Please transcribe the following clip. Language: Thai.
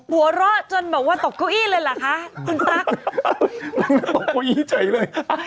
หัวล่อจนแบบว่าตกดุ้งอี้เลยล่ะครับคุณปลั๊ก